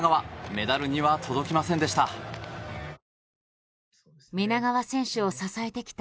メダルには届きませんでした。